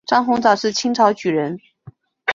张鸿藻是清朝举人。